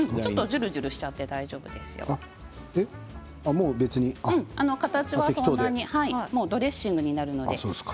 じゅるじゅるしちゃって大丈夫ですよ、形はドレッシングになるので。